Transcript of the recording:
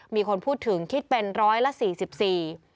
มีคนพูดถึงคิดเป็นร้อยละสี่สิบสี่